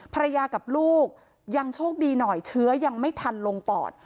ภรรยากับลูกยังโชคดีหน่อยเชื้อยังไม่ทันลงปอด